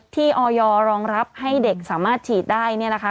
ที่ออยรองรับให้เด็กสามารถฉีดได้เนี่ยนะคะ